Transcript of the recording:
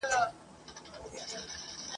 په زحمت چي پکښي اخلمه ګامونه ..